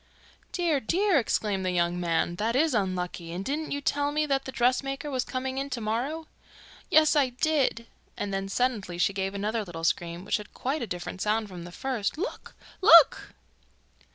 'Dear, dear!' exclaimed the young man. 'That is unlucky; and didn't you tell me that the dressmaker was coming in to morrow?' 'Yes, I did,' and then suddenly she gave another little scream, which had quite a different sound from the first. 'Look! Look!